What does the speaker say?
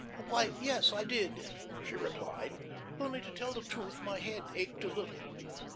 "Why, yes I did," she replied. "Only, to tell the truth, my head ached a little."